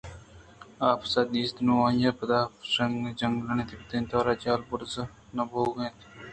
اَپس ءَ دیست نوں آئی ءِ پاد پہرءُ شان جنگانی طبلانی توارءَ جہلءُ بُرز نہ بُوہگءَاَنت